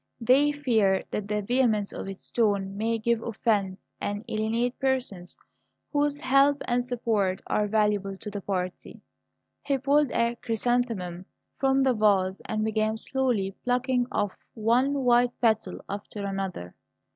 They fear that the vehemence of its tone may give offence, and alienate persons whose help and support are valuable to the party." He pulled a chrysanthemum from the vase and began slowly plucking off one white petal after another.